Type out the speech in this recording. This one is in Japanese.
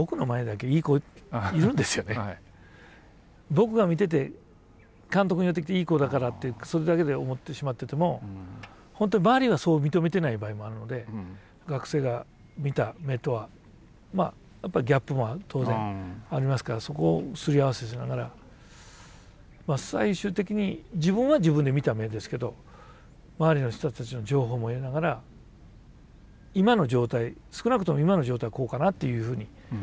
僕が見てて監督に寄ってきていい子だからってそれだけで思ってしまってても本当に周りがそう認めてない場合もあるので学生が見た目とはやっぱりギャップも当然ありますからそこをすり合わせしながら最終的に自分は自分で見た目ですけど周りの人たちの情報も得ながら今の状態少なくとも今の状態はこうかなというふうに。